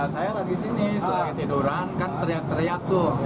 saya lagi sini setelah tiduran kan teriak teriak tuh